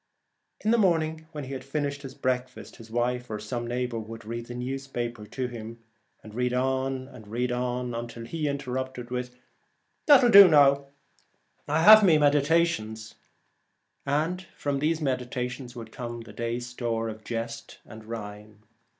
In the morning when he had finished his breakfast, his wife or some neighbour would read the newspaper to him, and read on and on until he interrupted with, ' That'll do — I have me meditations ;' and from these meditations would come the day's store of jest and rhyme.